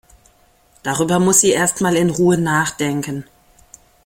Darüber muss sie erst mal in Ruhe nachdenken.